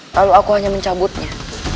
lalu aku hanya mencabutnya